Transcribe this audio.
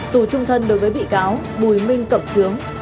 tù trung thân đối với bị cáo bùi minh cẩm trướng